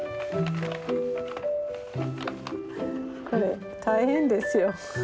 これ大変ですよ。